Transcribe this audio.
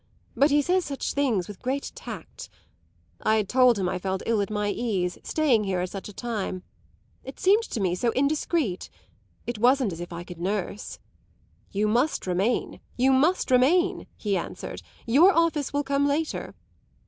But he says such things with great tact. I had told him I felt ill at my ease, staying here at such a time; it seemed to me so indiscreet it wasn't as if I could nurse. 'You must remain, you must remain,' he answered; 'your office will come later.